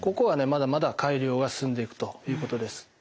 まだまだ改良は進んでいくということです。